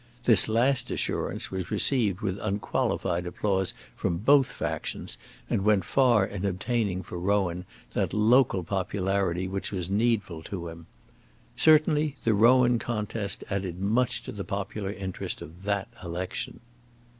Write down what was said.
This last assurance was received with unqualified applause from both factions, and went far in obtaining for Rowan that local popularity which was needful to him. Certainly the Rowan contest added much to the popular interest of that election.